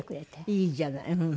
いいじゃない。